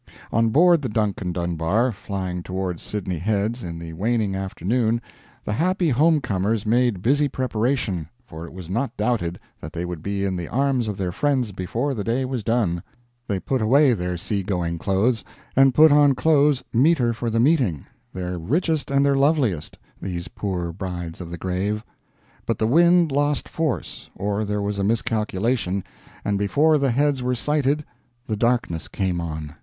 On board the Duncan Dunbar, flying toward Sydney Heads in the waning afternoon, the happy home comers made busy preparation, for it was not doubted that they would be in the arms of their friends before the day was done; they put away their sea going clothes and put on clothes meeter for the meeting, their richest and their loveliest, these poor brides of the grave. But the wind lost force, or there was a miscalculation, and before the Heads were sighted the darkness came on.